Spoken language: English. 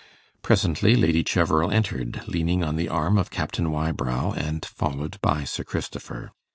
Presently Lady Cheverel entered, leaning on the arm of Captain Wybrow, and followed by Sir Christopher.